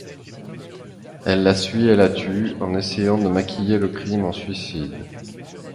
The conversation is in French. Elle la suit et la tue, en essayant de maquiller le crime en suicide.